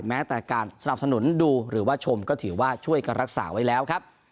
บางครั้งก็ต่อต่อการสนับสนุนดูหรือว่าชมก็ถือว่าช่วยการรักษาไว้ครับ